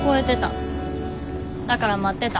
だから待ってた。